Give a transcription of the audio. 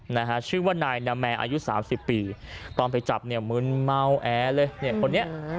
นะฮะชื่อว่านายนาแมร์อายุสามสิบปีตอนไปจับเนี่ยมึนเมาแอเลยเนี่ยคนนี้